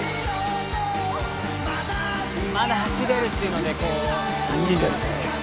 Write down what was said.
「まだ走れる」っていうのでこう走る。